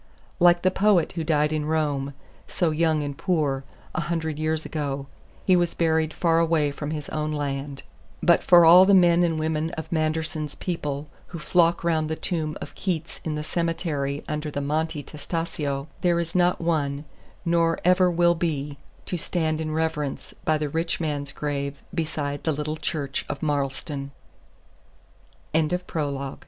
Like the poet who died in Rome, so young and poor, a hundred years ago, he was buried far away from his own land; but for all the men and women of Manderson's people who flock round the tomb of Keats in the cemetery under the Monte Testaccio, there is not one, nor ever will be, to stand in reverence by the rich man's grave beside the little church of Marlstone. CHAPTER I KNOCKI